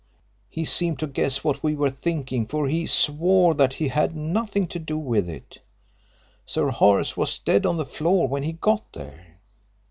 He seemed to guess what we were thinking, for he swore that he had had nothing to do with it Sir Horace was dead on the floor when he got there.